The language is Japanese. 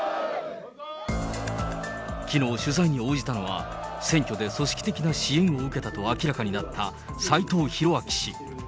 きのう、取材に応じたのは、選挙で組織的な支援を受けたと明らかになった斎藤洋明氏。